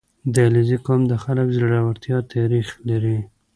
• د علیزي قوم خلک د زړورتیا تاریخ لري.